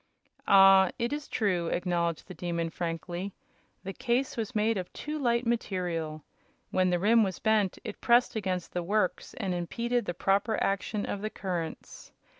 "Ah, it is true," acknowledged the Demon, frankly. "The case was made of too light material. When the rim was bent it pressed against the works and impeded the proper action of the currents.